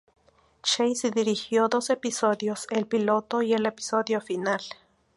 Chase dirigió dos episodios, el piloto y el episodio final.